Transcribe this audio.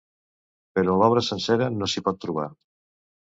Però l’obra sencera no s’hi pot trobar.